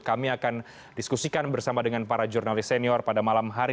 kami akan diskusikan bersama dengan para jurnalis senior pada malam hari